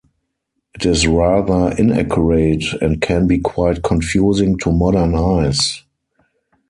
It is rather inaccurate, and can be quite confusing to modern eyes.